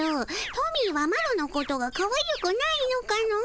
トミーはマロのことがかわゆくないのかの？